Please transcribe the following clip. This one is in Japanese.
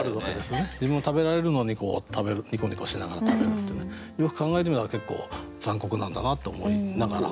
自分も食べられるのにニコニコしながら食べるっていうねよく考えてみれば結構残酷なんだなと思いながら。